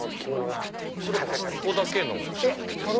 それはここだけの手法ですか？